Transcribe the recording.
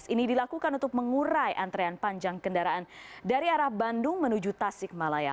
ini dilakukan untuk mengurai antrean panjang kendaraan dari arah bandung menuju tasik malaya